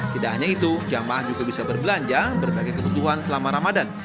tidak hanya itu jamaah juga bisa berbelanja berbagai kebutuhan selama ramadan